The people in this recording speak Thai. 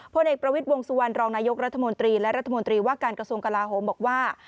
เอกประวิทย์วงสุวรรณรองนายกรัฐมนตรีและรัฐมนตรีว่าการกระทรวงกลาโหมบอกว่า